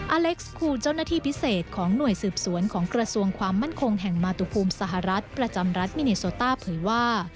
อเล็กซ์คูณเจ้าหน้าที่พิเศษของหน่วยสืบสวนของกระทรวงความมั่นคงแห่งมาตุภูมิสหรัฐประจำรัฐมิเนโซต้าเผยว่า